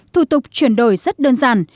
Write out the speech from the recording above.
thủ tục chuyển đổi rất đơn giản